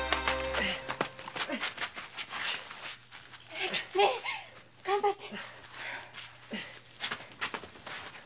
永吉頑張って！